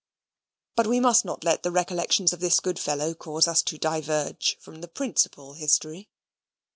But we must not let the recollections of this good fellow cause us to diverge from the principal history.